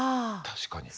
確かに。